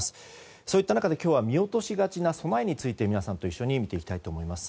そういった中で今日は見落としがちな備えについて皆さんと一緒に見ていきたいと思います。